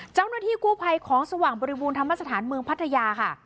เจ้าหน้าที่กู้ภัยของสว่างบริบูรณธรรมสถานเมืองพัทยาค่ะ